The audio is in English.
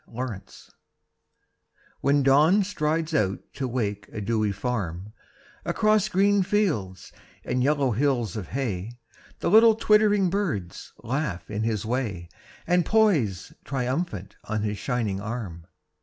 Alarm Clocks When Dawn strides out to wake a dewy farm Across green fields and yellow hills of hay The little twittering birds laugh in his way And poise triumphant on his shining arm.